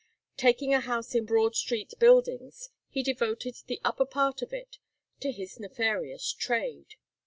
Taking a house in Broad Street Buildings, he devoted the upper part of it to his nefarious trade.